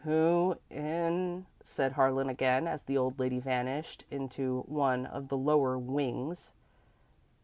"Who in ," said Harlan, again, as the old lady vanished into one of the lower wings.